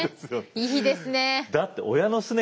いいですね。